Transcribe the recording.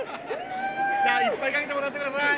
いっぱいかけてもらってください。